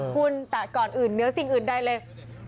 คุณแต่ก่อนอื่นเหนือสิ่งอื่นใดเลย